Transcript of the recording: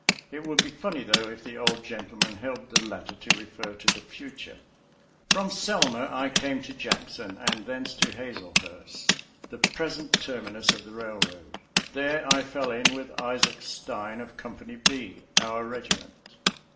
It would be funny, though, if the old gentleman held the latter to refer to the future. ♦♦♦ From Selma I came to Jackson, and thence to Hazlehurst, the present terminus of the railroad. There I fell in with Isaac Stein of Company B, our regiment.